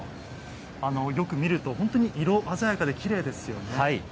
よく見ると本当に色鮮やかできれいですよね。